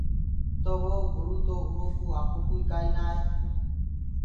تو وو گُروُ تو اُرو ڪوُ آئو ڪوُ ئي ڪآئي نآ آئي۔